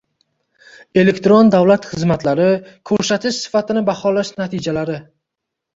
Elektron davlat xizmatlari ko‘rsatish sifatini baholash natijalari